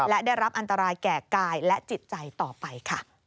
และได้รับอันตรายแก่กายและจิตใจต่อไปค่ะ